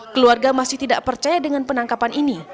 keluarga masih tidak percaya dengan penangkapan ini